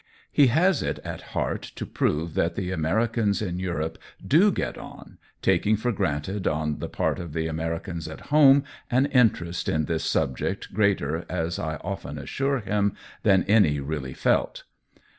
He has it at heart to prove that the Americans in Europe do get on — taking for granted on the part of the Americans at home an interest in this sub ject greater, as I often assure him, than any really felt.